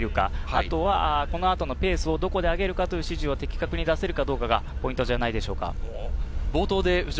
あとはこの後のペースをどこで上げるかという指示を的確に出せるかどうかがポイントじゃないでしょうか。